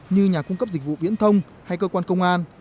như nhà cung cấp dịch vụ viễn thông hay cơ quan công an